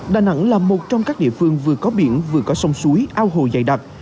đà nẵng là một trong các địa phương vừa có biển vừa có sông suối ao hồ dày đặc